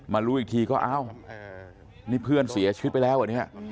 รู้อีกทีก็อ้าวนี่เพื่อนเสียชีวิตไปแล้วเหรอเนี่ย